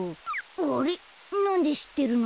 あれっなんでしってるの？